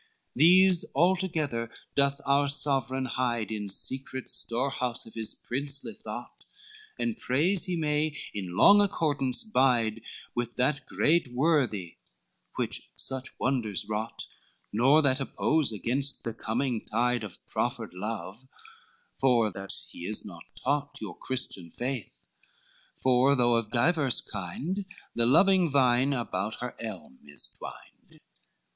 LXIII "These altogether doth our sovereign hide In secret store house of his princely thought, And prays he may in long accordance bide, With that great worthy which such wonders wrought, Nor that oppose against the coming tide Of proffered love, for that he is not taught Your Christian faith, for though of divers kind, The loving vine about her elm is twined.